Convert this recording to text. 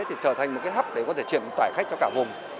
thì trở thành một cái hắt để có thể truyền tải khách cho cả vùng